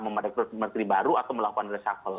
memadai keutama menteri baru atau melakukan reshuffle